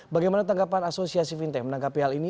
bagaimana tanggapan asosiasi vintech menangkapi hal ini